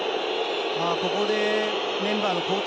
ここでメンバーの交代。